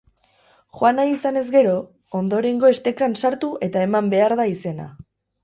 Joan nahi izanez gero, ondorengo estekan sartu eta eman behar da izena.